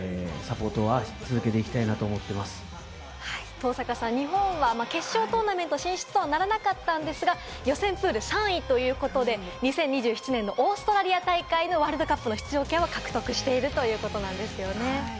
登坂さん、日本は決勝トーナメント進出とはならなかったんですが、予選プール３位ということで、２０２７年のオーストラリア大会のワールドカップの出場権を獲得しているということなんですよね。